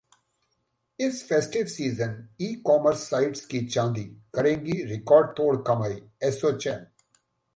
इस festive season e-commerce sites की चांदी, करेंगी रिकॉर्डतोड़ कमाई- एसोचैम